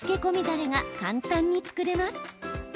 だれが簡単に作れます。